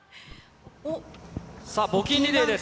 さあ、募金リレーです。